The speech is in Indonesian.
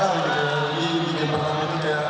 jadi di game pertama itu ya